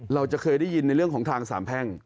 เราจะเคยได้ยินในเรื่องของทางสามแพ่ง